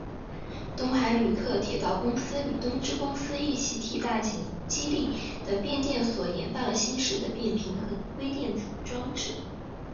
东海旅客铁道公司与东芝公司一起替大井基地的变电所研发了新式的变频和微电子装置。